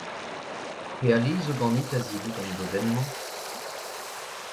Pe ali zo ganit a-zivout an dodenn-mañ ?